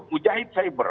kita pujahit cyber